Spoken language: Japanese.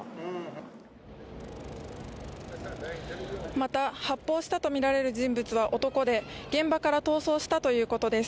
また発砲したとみられる人物は男で現場から逃走したということです。